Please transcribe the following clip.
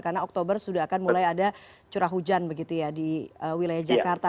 karena oktober sudah akan mulai ada curah hujan begitu ya di wilayah jakarta